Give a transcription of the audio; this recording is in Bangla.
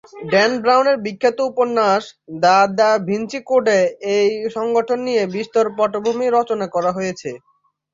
ড্যান ব্রাউনের বিখ্যাত উপন্যাস দ্য দা ভিঞ্চি কোডে এই সংগঠন নিয়ে বিস্তর পটভূমি রচনা করা হয়েছে।